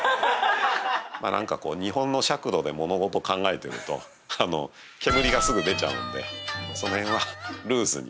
まあ何か日本の尺度で物事考えてると煙がすぐ出ちゃうんでその辺はルーズに。